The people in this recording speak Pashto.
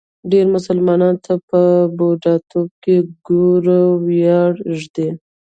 ډېری مسلمانانو ته په بوډاتوب کې ګور وریادېږي.